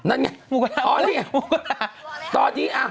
นั่นไงอ๋อนี่